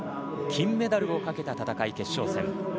そして、金メダルをかけた戦い決勝戦。